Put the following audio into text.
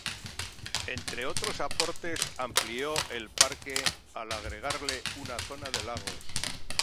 Entre otros aportes amplió el parque al agregarle una zona de lagos.